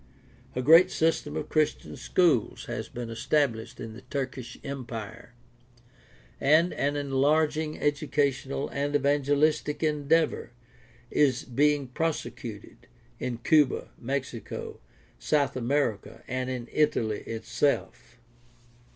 A great system of Christian schools has been established in the Turkish empire, and an enlarging educational and evangelistic endeavor is being prosecuted in Cuba, Mexico, South America, and in Italy itself.